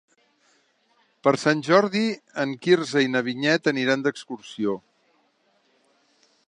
Per Sant Jordi en Quirze i na Vinyet aniran d'excursió.